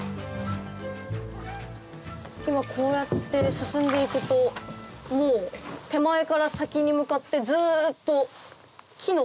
今こうやって進んで行くともう手前から先に向かってずっと。